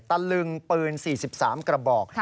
ตะลึงปืน๔๓กระบอก